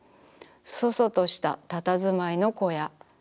楚々とした佇まいの小屋。